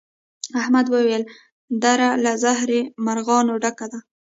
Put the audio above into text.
احمد وويل: دره له زهري مرغانو ډکه ده.